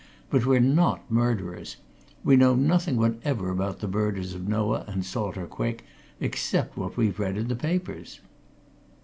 but we're not murderers. We know nothing whatever about the murders of Noah and Salter Quick except what we've read in the papers."